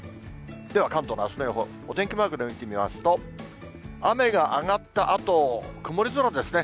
では関東のあすの予報、お天気マークで見てみますと、雨が上がったあと、曇り空ですね。